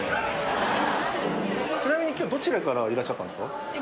ちなみに今日どちらからいらっしゃったんですか？